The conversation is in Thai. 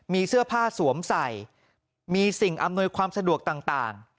มีเสื้อผ้าสวมใส่มีสิ่งอำนวยความสะดวกต่าง